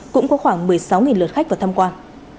cũng có khoảng một mươi sáu lượt khách vào thăm quản